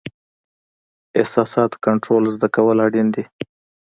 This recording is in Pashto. احساساتو کنټرول زده کول اړین دي.